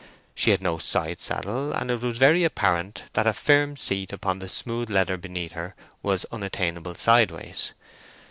She had no side saddle, and it was very apparent that a firm seat upon the smooth leather beneath her was unattainable sideways.